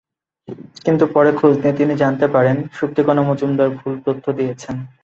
কিন্তু পরে খোঁজ নিয়ে তিনি জানতে পারেন সুপ্তিকনা মজুমদার ভুল তথ্য দিয়েছেন।